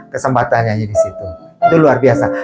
kesempatannya di situ itu luar biasa